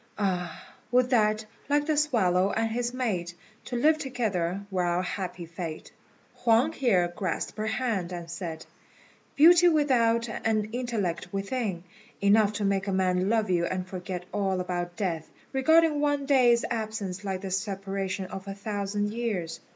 Ah, would that, like the swallow and his mate, To live together were our happy fate." Huang here grasped her hand and said, "Beauty without and intellect within enough to make a man love you and forget all about death, regarding one day's absence like the separation of a thousand years.